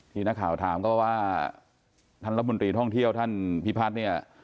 ที่นักข่าวถามก็ว่าท่านรัฐมนตรีท่องเที่ยวท่านพิพัฒน์เนี่ย